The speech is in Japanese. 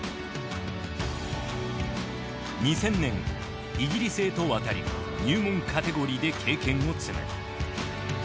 ２０００年イギリスへと渡り入門カテゴリーで経験を積む。